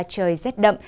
trời rất đậm